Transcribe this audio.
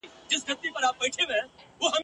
پر هر ګام په هر منزل کي په تور زړه کي د اغیار یم !.